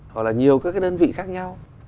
hoặc là nhiều các cái đơn vị khác nhau